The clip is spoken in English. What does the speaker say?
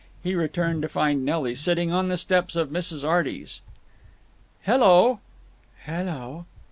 He returned to find Nelly sitting on the steps of Mrs. Arty's. "Hello." "Hello."